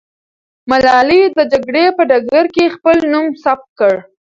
ملالۍ د جګړې په ډګر کې خپل نوم ثبت کړ.